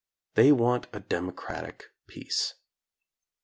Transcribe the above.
They want a democratic peace.